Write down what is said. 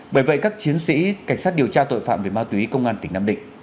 bởi vậy các chiến sĩ cảnh sát điều tra tội phạm về ma túy công an tỉnh nam định